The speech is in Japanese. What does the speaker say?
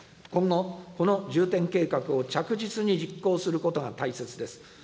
今後、この重点計画を着実に実行することが大切です。